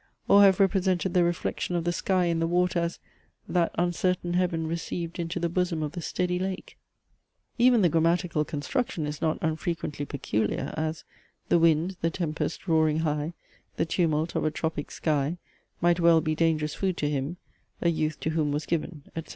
Or have represented the reflection of the sky in the water, as "That uncertain heaven received into the bosom of the steady lake?" Even the grammatical construction is not unfrequently peculiar; as "The wind, the tempest roaring high, the tumult of a tropic sky, might well be dangerous food to him, a youth to whom was given, etc."